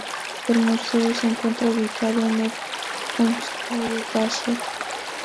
El museo se encuentra ubicado en el Kunsthalle Basel.